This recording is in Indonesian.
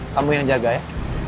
kamu yang jaga ya